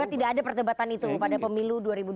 karena tidak ada perdebatan itu pada pemilu dua ribu dua puluh